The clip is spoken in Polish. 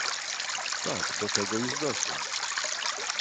"Tak, do tego już doszłam!"